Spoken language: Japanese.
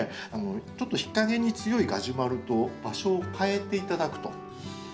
ちょっと日陰に強いガジュマルと場所を換えて頂くと。